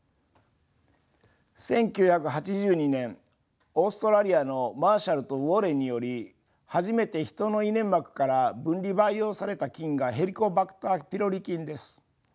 １９８２年オーストラリアのＭａｒｓｈａｌｌとＷａｒｒｅｎにより初めてヒトの胃粘膜から分離培養された菌がヘリコバクター・ピロリ菌です。